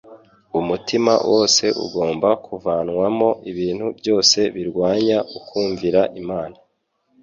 Umutima wose ugomba kuvanwano ibintu byose birwanya ukumvira Imana.